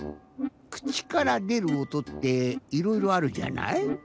くちからでるおとっていろいろあるじゃない？